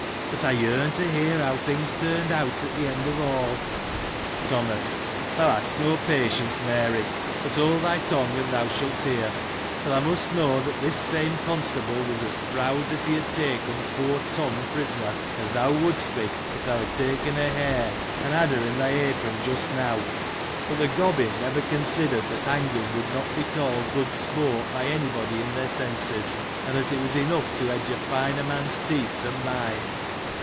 But, I yearn to hear how things turned out at the end of all. Thomas. — Thou hast no patience, Mary. But, hold thy tongue, and thou shalt hear ; for thou must know that this same constable was as proud that he had taken poor Turn prisoner, as thou wouldst be, if thou had taken a hare, and had her in thy apron just now ; but the gobbin never considered, that hanging would not be called good sport by any body in their senses ; and that it was enough to edge a finer man's teeth than mine.